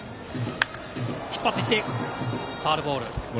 引っ張っていって、ファウルボール。